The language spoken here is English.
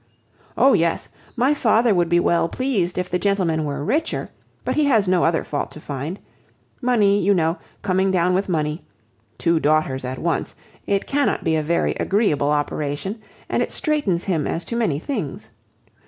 "Oh! yes. My father would be well pleased if the gentlemen were richer, but he has no other fault to find. Money, you know, coming down with money—two daughters at once—it cannot be a very agreeable operation, and it streightens him as to many things.